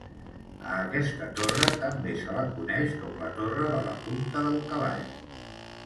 A aquesta torre també se la coneix com la Torre de la punta del Cavall.